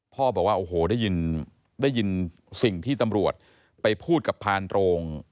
บอกว่าโอ้โหได้ยินสิ่งที่ตำรวจไปพูดกับพานโรง